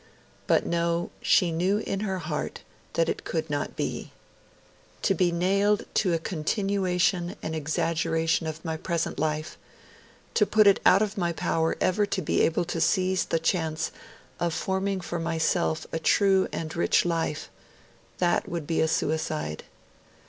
But no, she knew in her heart that it could not be. 'To be nailed to a continuation and exaggeration of my present life ... to put it out of my power ever to be able to seize the chance of forming for myself a true and rich life' that would be a suicide.